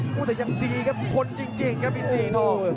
โหแต่ยังดีครับพ้นจริงครับอิสิทรอง